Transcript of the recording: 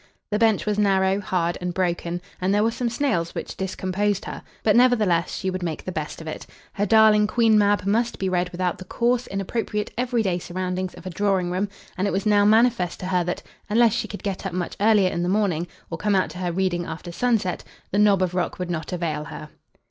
The bench was narrow, hard, and broken; and there were some snails which discomposed her; but, nevertheless, she would make the best of it. Her darling "Queen Mab" must be read without the coarse, inappropriate, every day surroundings of a drawing room; and it was now manifest to her that, unless she could get up much earlier in the morning, or come out to her reading after sunset, the knob of rock would not avail her.